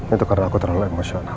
itu karena aku terlalu emosional